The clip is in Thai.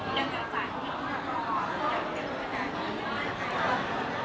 แล้วจะจับสายคุณมาก่อน